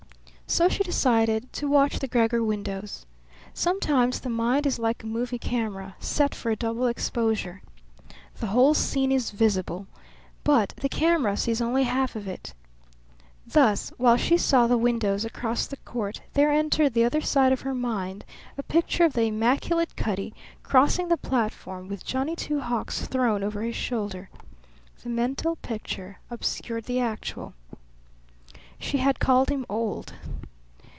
So she decided to watch the Gregor windows. Sometimes the mind is like a movie camera set for a double exposure. The whole scene is visible, but the camera sees only half of it. Thus, while she saw the windows across the court there entered the other side of her mind a picture of the immaculate Cutty crossing the platform with Johnny Two Hawks thrown over his shoulder. The mental picture obscured the actual. She had called him old.